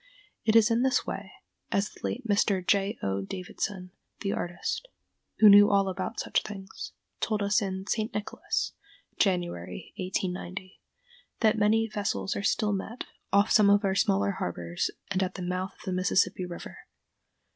It is in this way, as the late Mr. J. O. Davidson, the artist, who knew all about such things, told us in "St. Nicholas" (January, 1890), that many vessels are still met, off some of our smaller harbors, and at the mouth of the Mississippi River.